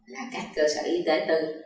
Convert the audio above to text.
là các cơ sở y tế tư